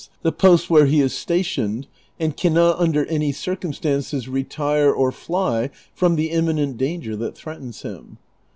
the post where he is sta tioned, and can not under any circumstances retire or fly from the imminent danger that threatens him